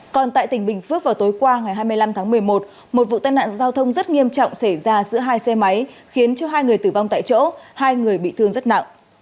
còn tại tỉnh bình phước vào tối qua ngày hai mươi năm tháng một mươi một một vụ tai nạn giao thông rất nghiêm trọng xảy ra giữa hai xe máy khiến hai người tử vong tại chỗ hai người bị thương rất nặng